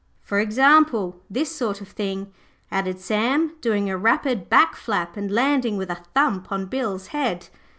For example, this sort of thing,' added Sam, doing a rapid back flap and landing with a thump on Bill's head.